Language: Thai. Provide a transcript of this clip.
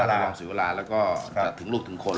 มาหาท่านศรีวราแล้วก็จัดถึงลูกถึงคน